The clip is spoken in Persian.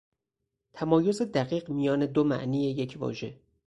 تمایز دقیق میان دو معنی یک واژه